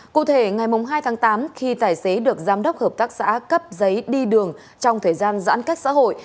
cụ thể ngày hai tháng tám khi tài xế được giám đốc hợp tác xã cấp giấy đi đường trong thời gian giãn cách xã hội